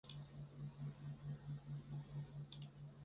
台东红叶国小的学生主要来自原住民布农族红叶部落。